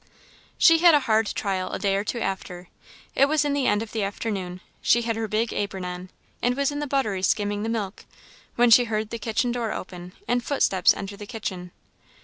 She had a hard trial a day or two after. It was in the end of the afternoon; she had her big apron on, and was in the buttery skimming the milk, when she heard the kitchen door open, and footsteps enter the kitchen.